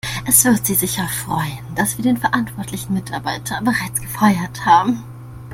Es wird Sie sicher freuen, dass wir den verantwortlichen Mitarbeiter bereits gefeuert haben.